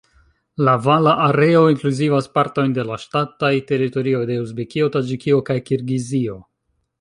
La vala areo inkluzivas partojn de la ŝtataj teritorioj de Uzbekio, Taĝikio kaj Kirgizio.